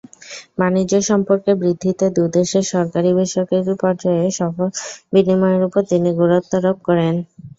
বাণিজ্য সম্পর্ক বৃদ্ধিতে দুদেশের সরকারি-বেসরকারি পর্যায়ে সফর বিনিময়ের ওপর তিনি গুরুত্বারোপ করেন।